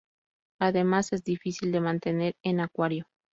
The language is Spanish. Además, es difícil de mantener en acuario.